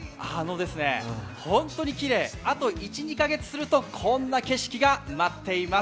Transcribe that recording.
本当にきれい、あと１２カ月するとこんな景色が待っています。